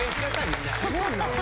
すごいな。